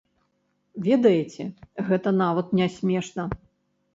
Ведаеце, гэта нават не смешна.